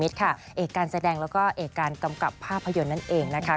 เอกการแสดงแล้วก็เอกการกำกับภาพยนตร์นั่นเองนะคะ